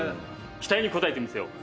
期待に応えてみせよう。